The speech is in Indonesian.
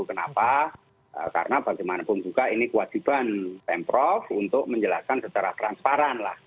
kenapa karena bagaimanapun juga ini kewajiban pemprov untuk menjelaskan secara transparan lah